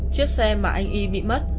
chiếc xe mà anh y bị mất